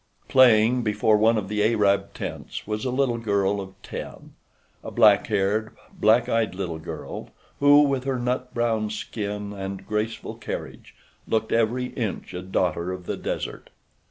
Playing before one of the Arab tents was a little girl of ten—a black haired, black eyed little girl who, with her nut brown skin and graceful carriage looked every inch a daughter of the desert.